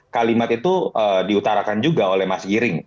kalimat itu diutarakan juga oleh mas giring